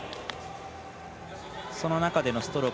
その中でのストローク